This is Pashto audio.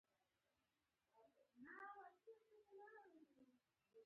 د ګلاب غوړي د ښکلا لپاره وکاروئ